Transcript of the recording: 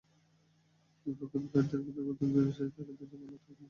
দুই পক্ষে প্রায় দেড় ঘণ্টা বন্দুকযুদ্ধ শেষে ডাকাতেরা জঙ্গলে আত্মগোপন করে।